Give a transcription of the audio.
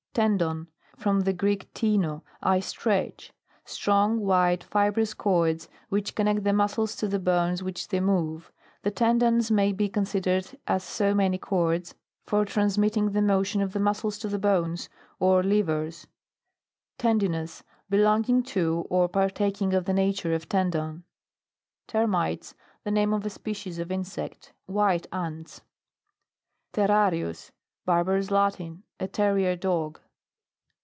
TENDON. From the Greek, teino, I stretch. Strong, white, fibrous cords, which connect the muscles to the bones which they move. The ten dons may be considered as so many cords, for transmitting the motion of the muscles to the bones, or levers. TENDINOUS. Belonging to, or parta king of the nature of tendon. TERMITES. The name of a species of insect. White ants. TERRARIUS. Barbarous Latin. A terrier dog.